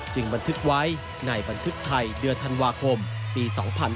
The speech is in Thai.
บันทึกไว้ในบันทึกไทยเดือนธันวาคมปี๒๕๕๙